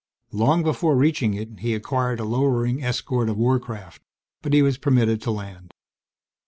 Long before reaching it, he acquired a lowering escort of warcraft, but he was permitted to land.